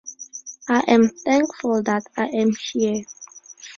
I am thankful that I am here.